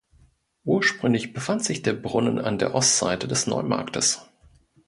Ursprünglich befand sich der Brunnen an der Ostseite des Neumarktes.